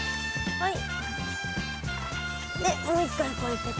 はい。